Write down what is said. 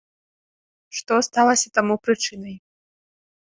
Што сталася таму прычынай?